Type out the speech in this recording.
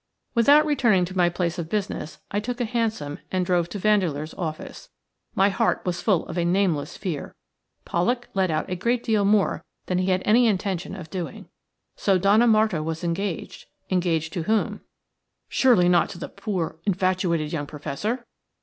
Without returning to my place of business I took a hansom and drove to Vandeleur's office. My heart was full of a nameless fear. Pollak had let out a great deal more than he had any intention of doing. So Donna Marta was engaged. Engaged to whom? Surely not to the poor, infatuated young Professor?